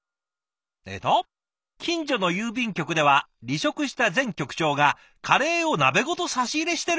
えっと「近所の郵便局では離職した前局長がカレーを鍋ごと差し入れしてる」？